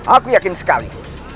aku yakin sekali